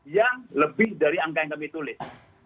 yang lebih dari angka yang kami tulis